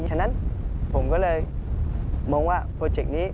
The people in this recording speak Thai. ฉะนั้นผมก็เลยมองว่าโปรเจกต์นี้